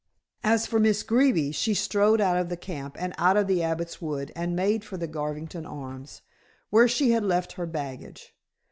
As for Miss Greeby, she strode out of the camp and out of the Abbot's Wood, and made for the Garvington Arms, where she had left her baggage.